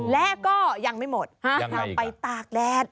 และก็ยังไม่หมดเราไปตากแดด